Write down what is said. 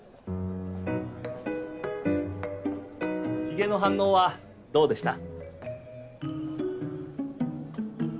ひげの反応はどうでした？